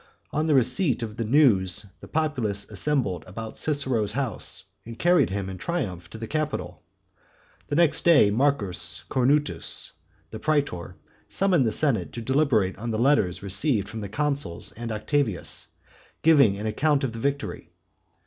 On the receipt of the news the populace assembled about Cicero's house, and carried him in triumph to the Capitol. The next day Marcus Cornutus, the praetor, summoned the senate to deliberate on the letters received from the consuls and Octavius, giving an account of the victory.